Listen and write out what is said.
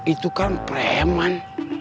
itu kan preman